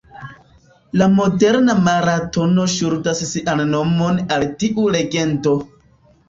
La moderna maratono ŝuldas sian nomon al tiu legendo.